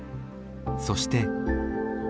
そして。